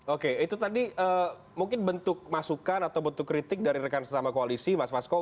oke itu tadi mungkin bentuk masukan atau bentuk kritik dari rekan sesama koalisi mas masko